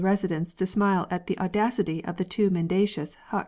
residents to smile at the audacity of the too mendacious Hue.